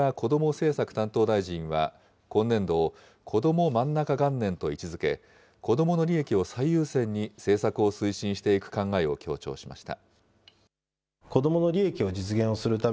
政策担当大臣は、今年度を、こどもまんなか元年と位置づけ、子どもの利益を最優先に政策を推進していく考えを強調しました。